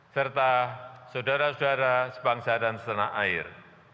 serta saudara saudara sebangsa dan setanah air